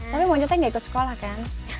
tapi moncetnya gak ikut sekolah kan